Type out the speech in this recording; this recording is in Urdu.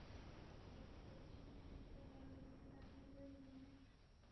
اب یہ کس پوزیشن میں ہیں کہ بطور وزیر داخلہ کوئی حکم دیں